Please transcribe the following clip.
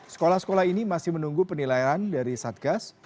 sekolah sekolah ini masih menunggu penilaian dari satgas